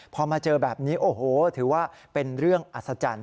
พอมาเจอแบบนี้โอ้โหถือว่าเป็นเรื่องอัศจรรย์